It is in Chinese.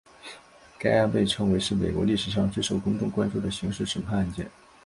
该案被称为是美国历史上最受公众关注的刑事审判案件。